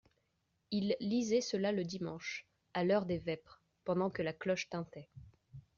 Ils lisaient cela le dimanche, à l'heure des vêpres, pendant que la cloche tintait.